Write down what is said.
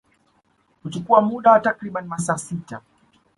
Huchukua muda wa takribani masaa sita